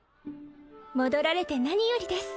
戻られて何よりです